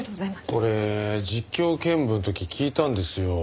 俺実況見分の時聞いたんですよ。